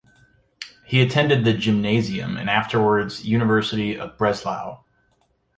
He attended the "gymnasium", and afterwards the University of Breslau.